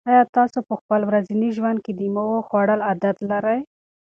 آیا تاسو په خپل ورځني ژوند کې د مېوو خوړلو عادت لرئ؟